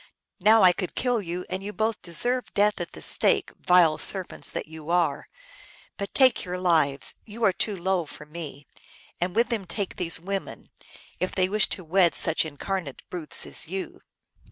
Now 1 could kill you, and you both deserve death at the stake, vile serpents that you are ; but take your lives, you are too low for me, and with them take these women, if they wish to wed with such incarnate brutes as you